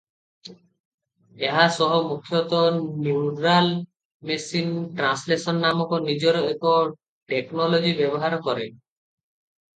ଏହା ସହ ମୁଖ୍ୟତଃ ନ୍ୟୁରାଲ ମେସିନ ଟ୍ରାସଲେସନ ନାମକ ନିଜର ଏକ ଟେକନୋଲୋଜି ବ୍ୟବହାର କରେ ।